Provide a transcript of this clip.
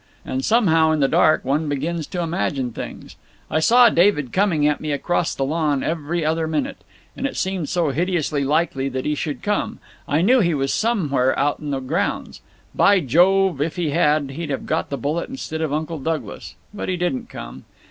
And somehow, in the dark, one begins to imagine things. I saw David coming at me across the lawn every other minute. And it seemed so hideously likely that he should come. I knew he was somewhere out in the grounds. By Jove, if he had, he'd have got the bullet instead of Uncle Douglas! But he didn't come.